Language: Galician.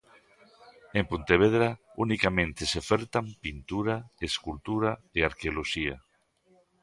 En Pontevedra, unicamente se ofertan Pintura, Escultura e Arqueoloxía.